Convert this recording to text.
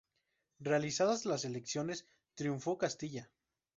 Realizadas las elecciones, triunfó Castilla.